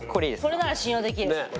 これなら信用できる。